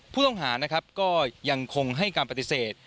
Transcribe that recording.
ผู้ต้องหานะครับก็ยังคงให้การปฏิเสธ